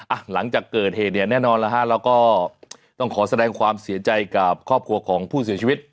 หลังจากเกิดเหตุเนี่ยแน่นอนแล้วฮะเราก็ต้องขอแสดงความเสียใจกับครอบครัวของผู้เสียชีวิต